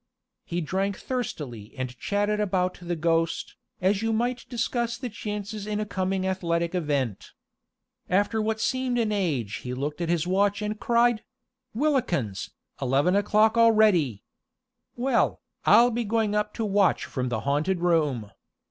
He drank thirstily and chatted about the ghost, as you might discuss the chances in a coming athletic event. After what seemed an age he looked at his watch and cried: "Whillikens! Eleven o'clock already! Well, I'll be going up to watch from the haunted room.